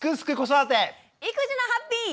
「育児のハッピー」。